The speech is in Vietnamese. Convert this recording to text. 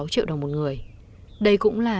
sáu triệu đồng một người đây cũng là